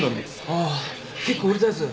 ああ結構売れたやつ。